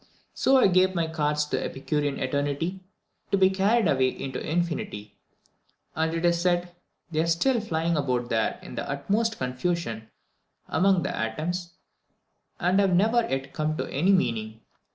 So I gave up my cards to the Epicurean eternity, to be carried away into infinity; and, it is said, they are still flying about there in the utmost confusion among the atoms, and have never yet come to any meaning.